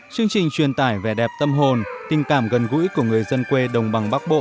chương trình truyền tải vẻ đẹp tâm hồn tình cảm gần gũi của người dân quê đồng bằng bắc bộ